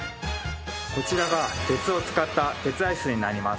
こちらが鉄を使った鉄アイスになります。